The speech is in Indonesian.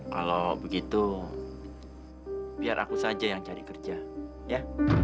kalau begitu biar aku saja yang cari kerja ya